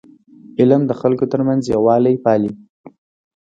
علم د خلکو ترمنځ یووالی پالي.